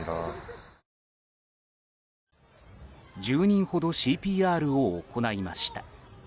１０人ほどＣＰＲを行いました。